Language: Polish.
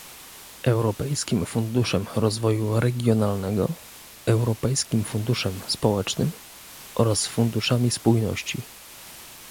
Europejskim Funduszem Rozwoju Regionalnego, Europejskim Funduszem Społecznym oraz funduszami spójności